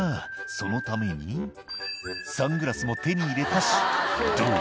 「そのためにサングラスも手に入れたしどう？